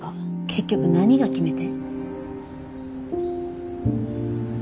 結局何が決め手？